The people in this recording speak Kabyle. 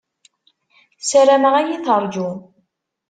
Ssarameɣ ad iyi-teṛju.